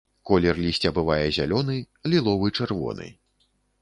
Колер лісця бывае зялёны, ліловы-чырвоны.